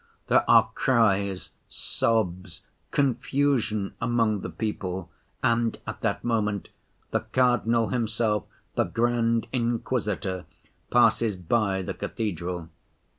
"There are cries, sobs, confusion among the people, and at that moment the cardinal himself, the Grand Inquisitor, passes by the cathedral.